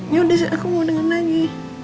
ya udah sih aku mau denger lagi